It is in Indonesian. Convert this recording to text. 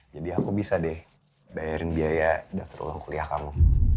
aku bisa deh bayarin biaya daftar uang kuliah kamu